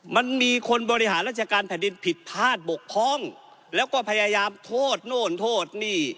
มันมีคนบริหารราชการแผ่นดินผิดพลาดบกพร่องแล้วก็พยายามโทษโน่นโทษนี่